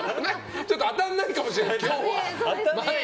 ちょっと当たんないかもしんない。